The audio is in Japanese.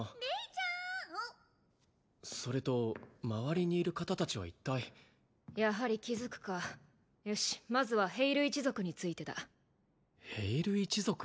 ちゃーんそれと周りにいる方達は一体やはり気づくかよしまずはヘイル一族についてだヘイル一族？